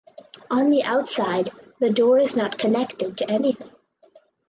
On the outside the door is not connected to anything.